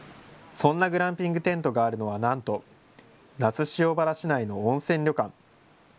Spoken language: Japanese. そんなグランピングテントがあるのはなんと、那須塩原市内の温泉旅館。